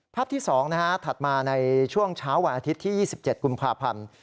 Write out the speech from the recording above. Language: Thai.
ภาพที่๒ถัดมาในช่วงเช้าวันอาทิตย์ที่๒๗กุมภาพันธ์